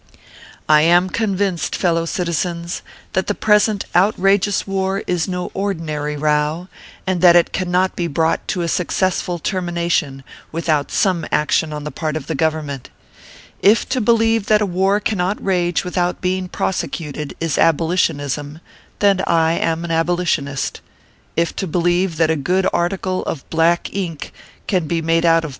I am convinced, fellow citizens, that the present outrageous war is no ordinary row, and that it cannot be brought to a successful termination without some action on the part of the Government. If to believe that a war cannot rage without being prosecuted, is abolitionism, then I am an abolitionist ; if to believe that a good article of black ink can be made out of 9* 102 ORPHEUS C.